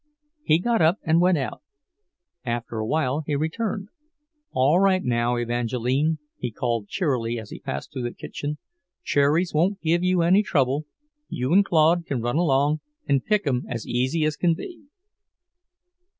He got up and went out. After a while he returned. "All right now, Evangeline," he called cheerily as he passed through the kitchen. "Cherries won't give you any trouble. You and Claude can run along and pick 'em as easy as can be."